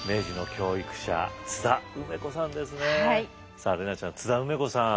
さあ怜奈ちゃん津田梅子さん